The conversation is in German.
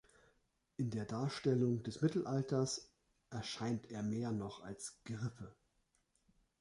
In der Darstellung des Mittelalters erscheint er mehr noch als Gerippe.